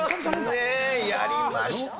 ねえやりました！